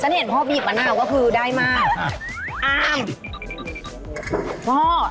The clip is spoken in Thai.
ฉันเห็นพ่อบีบมาหน้าก็คือได้มา